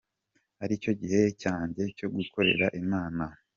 aricyo gihe cyanjye cyo gukorera Imana.